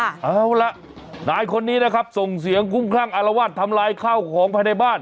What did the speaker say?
เอาล่ะนายคนนี้นะครับส่งเสียงคุ้มคลั่งอารวาสทำลายข้าวของภายในบ้าน